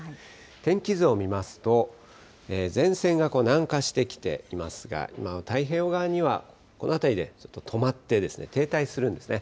天気図を見ますと、前線が南下してきていますが、今、太平洋側にはこの当たりにはちょっと止まって、停滞するんですね。